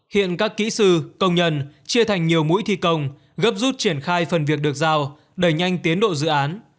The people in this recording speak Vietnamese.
hiện các kỹ sư công nhân chia thành nhiều mũi thi công gấp rút triển khai phần việc được giao đẩy nhanh tiến độ dự án